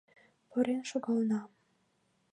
Пурен шогална.